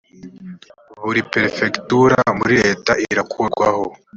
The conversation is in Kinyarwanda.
buri perefegitura muri leta irakurwaho